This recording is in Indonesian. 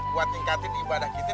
buat tingkatin ibadah kita